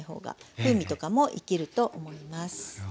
風味とかも生きると思います。